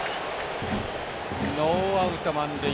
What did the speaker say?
ノーアウト、満塁。